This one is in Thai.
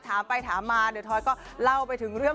ถามไปถามมาเดี๋ยวทอยก็เล่าไปถึงเรื่อง